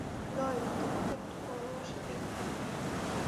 Lloyd, তোমাকে একটা পরামর্শ দেই।